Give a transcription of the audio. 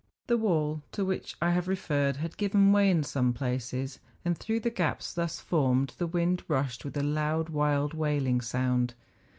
The wall to which I have referred had given way in some places, and through the gaps thus formed the wind rushed with a loud, wild, wailing sound.